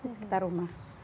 di sekitar rumah